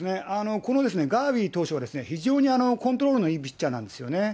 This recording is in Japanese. このガーウィー投手は非常にコントロールのいいピッチャーなんですよね。